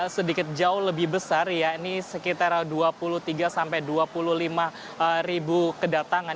sedikit jauh lebih besar ya ini sekitar dua puluh tiga sampai dua puluh lima ribu kedatangan